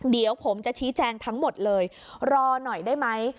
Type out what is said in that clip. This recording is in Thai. เดี๋ยวผมจะชี้แจงทั้งหมดเลยรอหน่อยได้ไหม